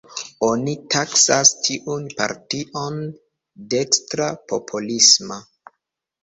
Oni taksas tiun partion dekstra-popolisma.